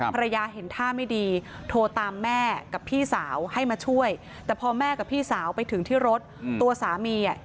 ภรรยาเห็นท่าไม่ดีโทรตามแม่กับพี่สาวให้มาช่วยแต่พอแม่กับพี่สาวไปถึงที่รถตัวสามีอ่ะ